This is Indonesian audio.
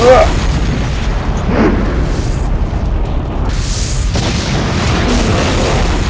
jangan smartphone anda